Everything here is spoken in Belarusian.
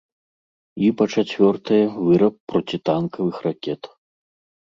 І, па-чацвёртае, выраб процітанкавых ракет.